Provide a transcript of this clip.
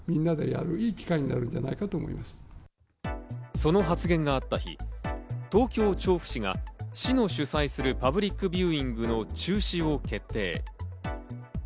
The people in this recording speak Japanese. その発言があった日、東京・調布市が市の主催するパブリックビューイングの中止を決定。